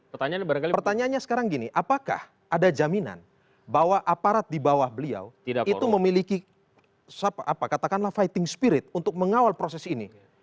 pertanyaannya sekarang gini apakah ada jaminan bahwa aparat di bawah beliau itu memiliki katakanlah fighting spirit untuk mengawal proses ini